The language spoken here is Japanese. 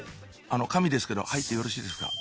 あのカミですけど入ってよろしいですか？